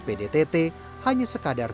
pdtt hanya sekadar